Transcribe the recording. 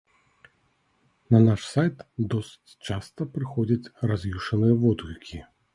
На наш сайт досыць часта прыходзяць раз'юшаныя водгукі.